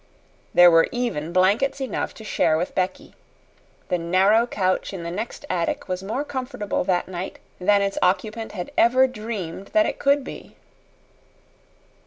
There were even blankets enough to share with Becky. The narrow couch in the next attic was more comfortable that night than its occupant had ever dreamed that it could be.